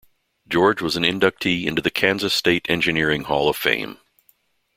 George was an inductee into the Kansas State Engineering Hall of Fame.